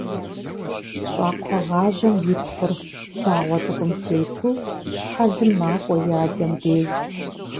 Щӏакхъуэгъажьэм и пхъур, лъагъуэ цӏыкӏум тету щхьэлым макӏуэ и адэм деж.